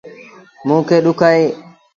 مو کي ڏُک اهي